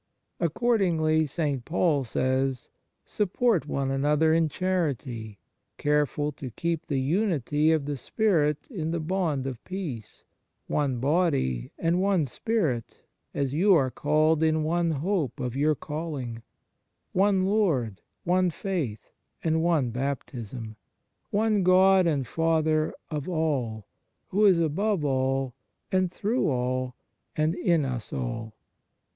Accordingly, St. Paul says: " Support one another in charity, careful to keep the unity of the Spirit in the bond of peace, one body and one spirit, as you are called in one hope of your calling; one Lord, one faith, and one baptism; one God and Father of all, who is above all, and through all, and in us all."